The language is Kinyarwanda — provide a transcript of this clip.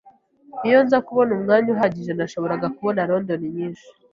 Iyo nza kubona umwanya uhagije, nashoboraga kubona London nyinshi.